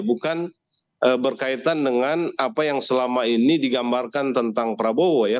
bukan berkaitan dengan apa yang selama ini digambarkan tentang prabowo ya